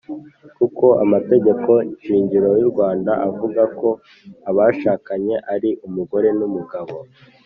kuko amategeko shingiro y’urwanda avuga ko abashakanye ari umugore n’umugabo.